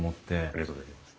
ありがとうございます。